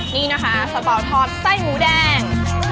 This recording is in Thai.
นี่นะคะสเป๋าทอดไส้หมูแดง